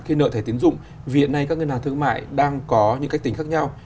khi nợ thẻ tiến dụng vì hiện nay các ngân hàng thương mại đang có những cách tính khác nhau